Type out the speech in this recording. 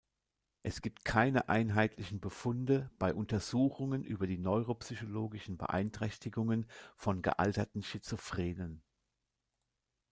Es gibt keine einheitlichen Befunde bei Untersuchungen über die neuropsychologischen Beeinträchtigungen von gealterten Schizophrenen.